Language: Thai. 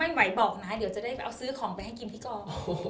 ไหวบอกนะเดี๋ยวจะได้เอาซื้อของไปให้กินที่กอง